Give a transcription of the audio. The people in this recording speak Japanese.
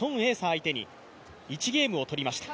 相手に１ゲームを取りました。